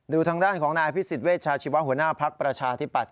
ทางด้านของนายอภิษฎเวชาชีวะหัวหน้าภักดิ์ประชาธิปัตย